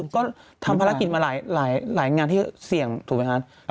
ก็ทำภารกิจมาหลายงานที่เสี่ยงถูกไหมคะ